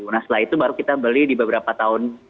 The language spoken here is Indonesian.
nah setelah itu baru kita beli di beberapa tahun